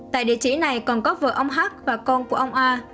tại địa chỉ này còn có vợ ông hát và con của ông a